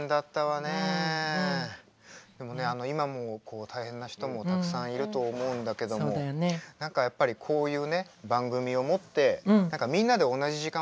でもね今も大変な人もたくさんいると思うんだけども何かやっぱりこういう番組をもってみんなで同じ時間を共有できたらいいなと思ってるのよ。